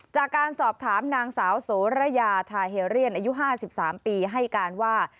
จากการสอบถามนางสาวโสระยาทาเฮเรียนอายุ๕๓ปีให้การว่า